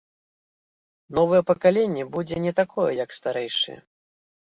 Новае пакаленне будзе не такое, як старэйшае.